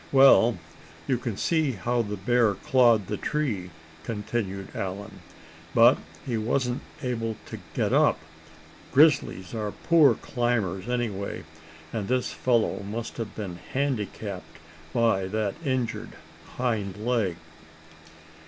"Well, you can see how the bear clawed the tree," continued Allan, "but he wasn't able to get up. Grizzlies are poor climbers anyway, and this fellow must have been handicapped by that injured hind leg."